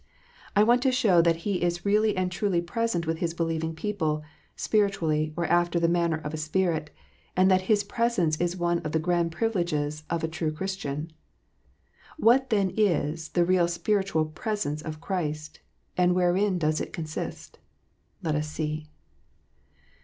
I want to show that He is really and truly present with His believing people, spiritually or after the manner of a spirit, and that His presence is one of the grand privileges of a true Christian. What then is the real spiritual " presence " of Christ, and wherein does it consist ? Let us see.